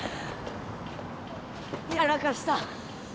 やらかした